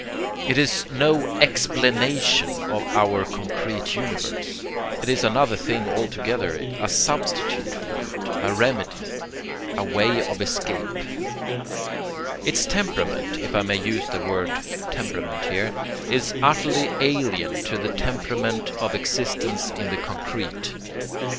It is no EXPLANATION of our concrete universe, it is another thing altogether, a substitute for it, a remedy, a way of escape. Its temperament, if I may use the word temperament here, is utterly alien to the temperament of existence in the concrete.